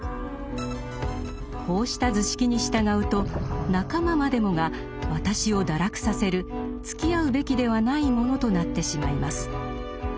こうした図式に従うと仲間までもが「私」を堕落させるつきあうべきではない者となってしまいます。